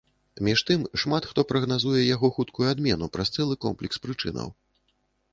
Між тым, шмат хто прагназуе яго хуткую адмену праз цэлы комплекс прычынаў.